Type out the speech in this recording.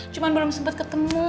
cuman belum sempet ketemu